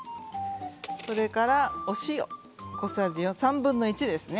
それからお塩小さじ３分の１ですね。